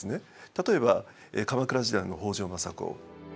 例えば鎌倉時代の北条政子。